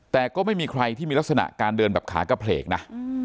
แต่ก็ไม่มีใครที่มีลักษณะการเดินแบบขากระเพลกนะ